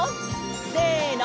せの！